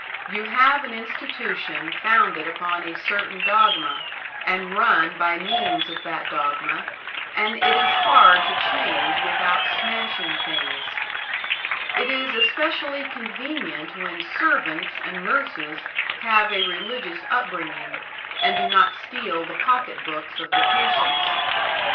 You have an institution founded upon a certain dogma, and run by means of that dogma, and it is hard to change without smashing things. It is especially convenient when servants and nurses have a religious upbringing, and do not steal the pocket books of the patients.